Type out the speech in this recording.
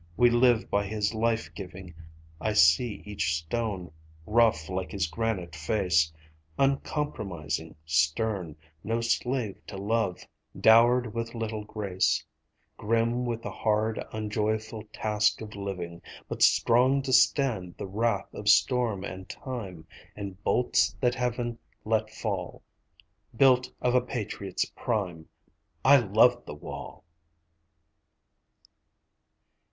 We live by his life giving. I see each stone, rough like his granite face, Uncompromising, stern, no slave to love, Dowered with little grace, Grim with the hard, unjoyful task of living, But strong to stand the wrath of storm and time, And bolts that heaven let fall. Built of a patriot's prime, I love the wall!